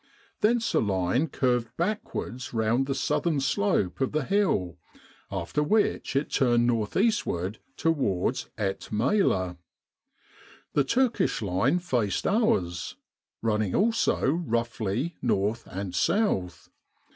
Thence the line curved backwards round the southern slope of the hill, after which it turned north eastward towards Et Maler. The Turkish line faced ours, running also roughly north and south.